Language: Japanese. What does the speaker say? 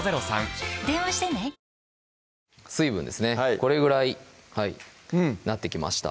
これぐらいなってきました